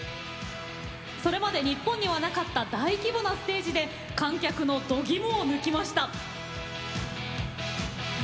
それまで日本にはなかった大規模なステージで観客のどぎもを抜きました。